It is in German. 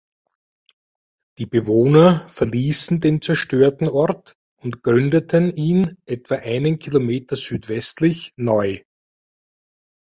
Die Bewohner verließen den zerstörten Ort und gründeten ihn etwa einen Kilometer südwestlich neu.